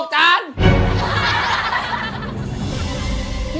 ๑๖จาน